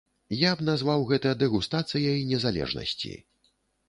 Я б назваў гэта дэгустацыяй незалежнасці.